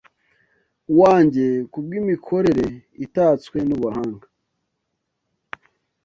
wanjye ku bw’imikorere itatswe n’ubuhanga,